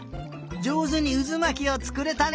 じょうずにうずまきをつくれたね！